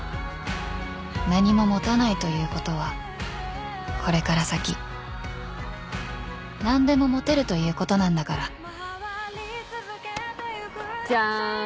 ［何も持たないということはこれから先何でも持てるということなんだから］じゃん。